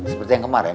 seperti yang kemarin